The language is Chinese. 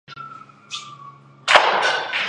科伊桑人等原住民居住在该地区达数千年之久。